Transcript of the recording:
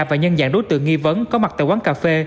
và nhân dạng đối tượng nghi vấn có mặt tại quán cà phê